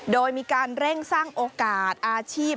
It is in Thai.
โดยมีการเร่งสร้างโอกาสอาชีพ